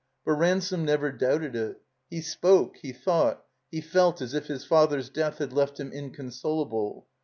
But Ransome never doubted it. He spoke, he thought, he felt as if his father's death had left him inconsolable.